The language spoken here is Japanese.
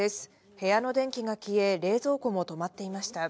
部屋の電気が消え、冷蔵庫も止まっていました。